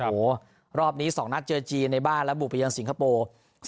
โอ้โหรอบนี้๒นัดเจอจีนในบ้านแล้วบุกไปยังสิงคโปร์